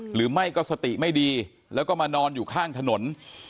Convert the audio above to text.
หรือไม่ก็สติไม่ดีแล้วก็มานอนอยู่ข้างถนน